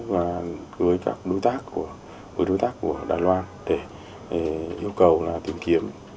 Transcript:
và gửi các đối tác của đài loan để yêu cầu là tìm kiếm